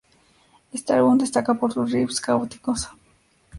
Este álbum destaca por sus "riffs" caóticos.